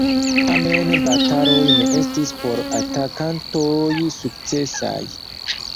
Tamen bataloj ne estis por atakantoj sukcesaj.